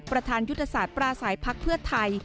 ประธานยุทธศาสตร์ปราศัยพักเพื่อไทย